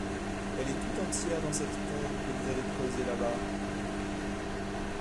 Elle est tout entière dans cette tombe, que vous avez creusée là-bas.